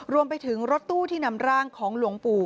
รวมไปถึงรถตู้ที่นำร่างของหลวงปู่